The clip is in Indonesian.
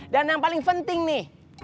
dan yang paling penting nih